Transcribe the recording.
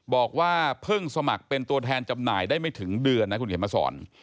บอกว่าเพิ่งสมัครเป็นตัวแทนจำหน่ายได้ไม่ถึงเดือนนะคุณเขียนมาสอน